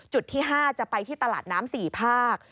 จุดที่๕จะไปที่ตลาดน้ำ๔ภาค